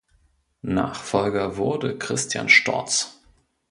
Nachfolger wurde Christian Storz.